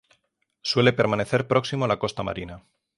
Suele permanecer próximo a la costa marina.